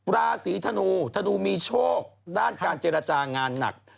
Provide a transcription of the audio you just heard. ราศีธนูธนูมีโชคด้านการเจรจางานหนัก